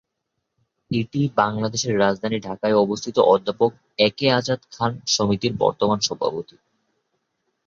এটি বাংলাদেশের রাজধানী ঢাকায় অবস্থিত অধ্যাপক একে আজাদ খান সমিতির বর্তমান সভাপতি।